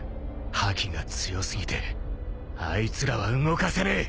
覇気が強過ぎてあいつらは動かせねえ。